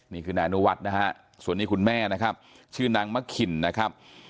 นี่คือนายอนุวัฒน์นะฮะส่วนนี้คุณแม่นะครับชื่อนางมะขินนะครับ